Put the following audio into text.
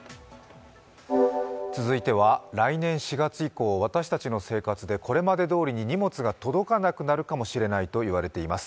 続いては来年４月以降私たちの生活でこれまでどおりに荷物が届かなくなるかもしれないと言われています。